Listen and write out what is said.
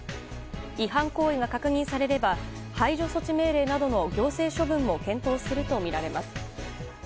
違反行為が確認されれば排除措置命令などの行政処分も検討するとみられます。